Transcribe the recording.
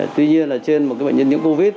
tuy nhiên là trên một bệnh nhân nhiễm covid